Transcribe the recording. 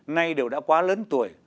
nay đều đã quá lớn tuổi